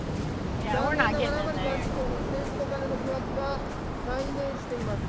残念ながら甘利幹事長に政治とカネの疑惑が再燃しています。